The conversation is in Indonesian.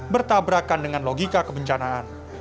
bertabrakan dengan logika kebencanaan